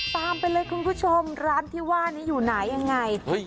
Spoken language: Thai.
ตามไปเลยคุณผู้ชมร้านที่ว่านี้อยู่ไหนยังไง